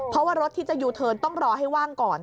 เพราะว่ารถที่จะยูเทิร์นต้องรอให้ว่างก่อน